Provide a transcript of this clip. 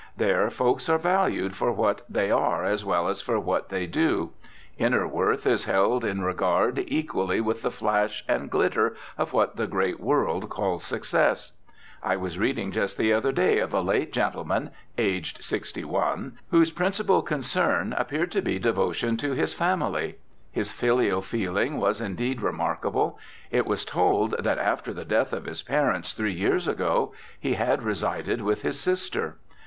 There folks are valued for what they are as well as for what they do. Inner worth is held in regard equally with the flash and glitter of what the great world calls success. I was reading just the other day of a late gentleman, "aged 61," whose principal concern appeared to be devotion to his family. His filial feeling was indeed remarkable. It was told that "after the death of his parents, three years ago, he had resided with his sister."